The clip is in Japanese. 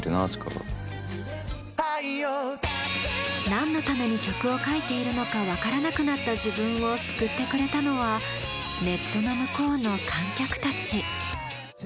何のために曲を書いているのか分からなくなった自分を救ってくれたのはネットの向こうの観客たち。